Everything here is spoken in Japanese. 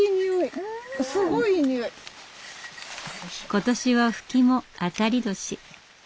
今年はフキも当たり年。